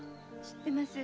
知ってます。